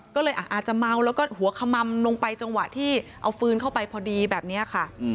ก็เลยอาจจะเมาแล้วก็หัวขมัมลงไปจังหวะที่เอาฟืนเข้าไปพอดีแบบนี้ค่ะ